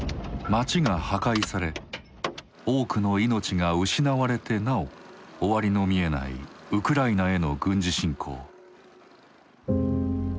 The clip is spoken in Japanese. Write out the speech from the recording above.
町が破壊され多くの命が失われてなお終わりの見えないウクライナへの軍事侵攻。